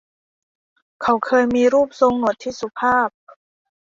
เขาเคยมีรูปทรงหนวดที่สุภาพ